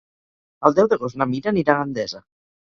El deu d'agost na Mira anirà a Gandesa.